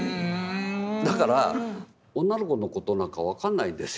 だから女の子の事なんか分かんないんですよ。